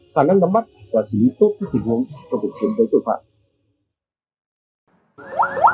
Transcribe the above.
khả năng nắm mắt và xử lý tốt các tình huống trong cuộc chiến đấu tội phạm